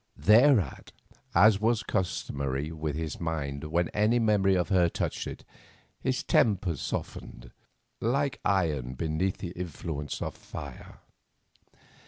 Thereat, as was customary with his mind when any memory of her touched it, his temper softened like iron beneath the influence of fire.